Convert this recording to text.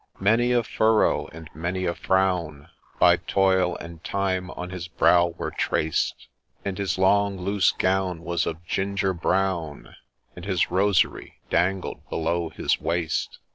Many a furrow, and many a frown By toil and time on his brow were traced ; And his long loose gown was of ginger brown, And his rosary dangled below his waist.